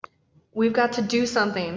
We've got to do something!